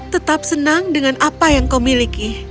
tetap senang dengan apa yang kau miliki